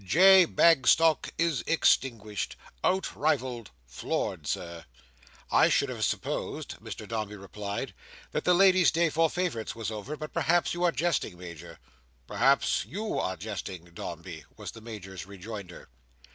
J. Bagstock is extinguished—outrivalled—floored, Sir." "I should have supposed," Mr Dombey replied, "that the lady's day for favourites was over: but perhaps you are jesting, Major." "Perhaps you are jesting, Dombey?" was the Major's rejoinder.